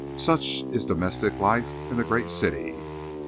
Such is domestic life in the great city.